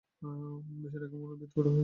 বিষয়টা কেমন বিদঘুটে হয়ে যাচ্ছে নায?